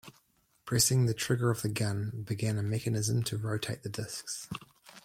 Pressing the trigger of the gun began a mechanism to rotate the discs.